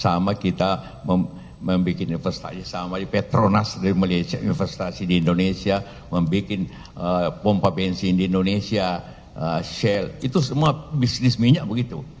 sama kita membuat investasi sama petronas investasi di indonesia membuat pompa bensin di indonesia shell itu semua bisnis minyak begitu